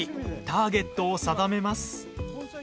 ターゲットを定めます。